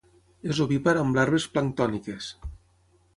És ovípar amb larves planctòniques.